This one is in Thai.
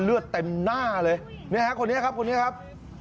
เลือดเต็มหน้าเลยนี่ฮะคนนี้ครับคนนี้ครับ